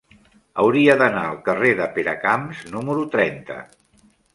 Hauria d'anar al carrer de Peracamps número trenta.